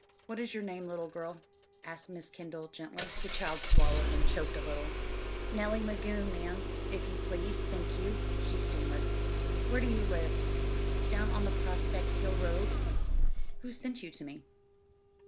"What is your name, little girl?" asked Miss Kendall gently. The child swallowed and choked a little. "Nellie Magoon, ma'am, if you please, thank you," she stammered. "Where do you live?" "Down on the Prospect Hill road." "Who sent you to me?"